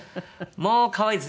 もう可愛いです。